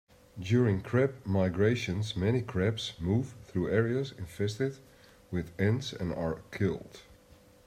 During crab migrations, many crabs move through areas infested with ants and are killed.